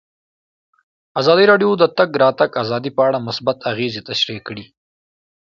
ازادي راډیو د د تګ راتګ ازادي په اړه مثبت اغېزې تشریح کړي.